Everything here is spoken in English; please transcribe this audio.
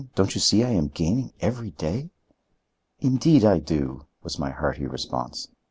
Don't you see I am gaining every day?" "Indeed I do," was my hearty response.